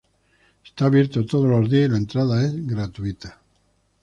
Está abierto todos los días y la entrada es gratuita.